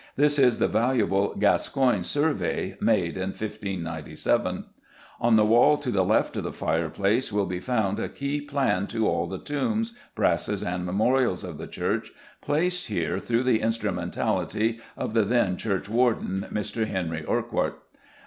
This is the valuable "Gascoyne survey, made in 1597." On the wall to the left of the fireplace will be found a key plan to all the tombs, brasses, and memorials of the church, placed here through the instrumentality of the then Churchwarden, Mr. Henry Urquhart.